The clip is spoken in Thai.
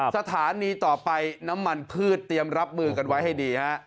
สถานีต่อไปน้ำมันพืชเตรียมรับมือกันไว้ให้ดีฮะ